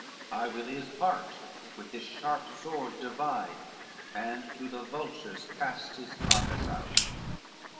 L "I will his heart with this sharp sword divide, And to the vultures cast his carcass out."